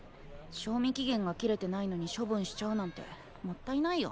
賞味期限が切れてないのに処分しちゃうなんてもったいないよ。